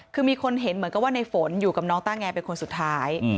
คือมีคนเห็นเหมือนกับว่าในฝนอยู่กับน้องต้าแงเป็นคนสุดท้าย